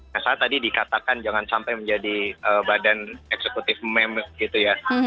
nah saya tadi dikatakan jangan sampai menjadi badan eksekutif meme gitu ya